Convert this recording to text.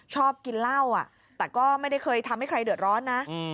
ชอบกินเหล้าแต่ก็ไม่ได้เคยทำให้ใครเดือดร้อนนะ